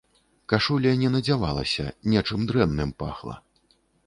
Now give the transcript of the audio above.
Кашуля не надзявалася, нечым дрэнным пахла.